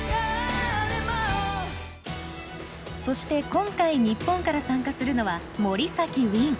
そして今回日本から参加するのは森崎ウィン。